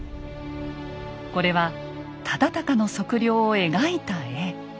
これは忠敬の測量を描いた絵。